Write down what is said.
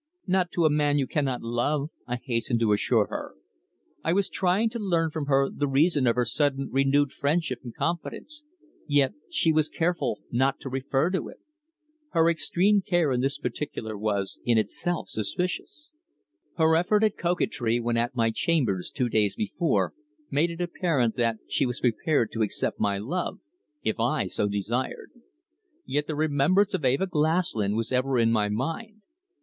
"Not to a man you cannot love," I hastened to assure her. I was trying to learn from her the reason of her sudden renewed friendship and confidence, yet she was careful not to refer to it. Her extreme care in this particular was, in itself, suspicious. Her effort at coquetry when at my chambers two days before made it apparent that she was prepared to accept my love, if I so desired. Yet the remembrance of Eva Glaslyn was ever in my mind.